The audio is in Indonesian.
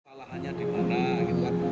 salahnya dimana gitu kan